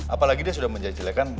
apalagi dia sudah menjelek jelekan